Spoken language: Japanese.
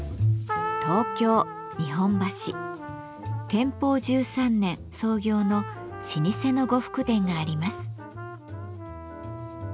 天保１３年創業の老舗の呉服店があります。